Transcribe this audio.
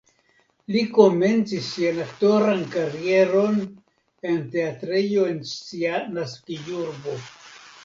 Li komencis sian aktoran karieron en teatrejo en sia naskiĝurbo.